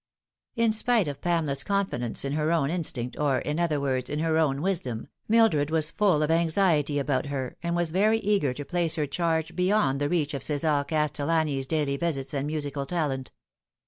In spite of Pamela's confidence in her own instinct, or, in other words, in her own wisdom, Mildred was full of anxiety about her, and was very eager to place her charge beyond the reach of Cesar Castellani's daily visits and musical talent.